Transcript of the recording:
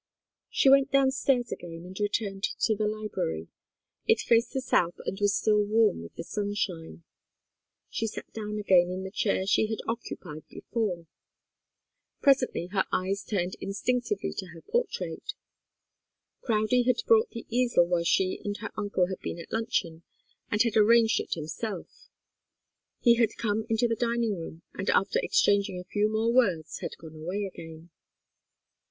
She went downstairs again and returned to the library. It faced the south and was still warm with the sunshine. She sat down again in the chair she had occupied before. Presently her eyes turned instinctively to her portrait. Crowdie had brought the easel while she and her uncle had been at luncheon, and had arranged it himself. He had come into the dining room, and after exchanging a few more words, had gone away again.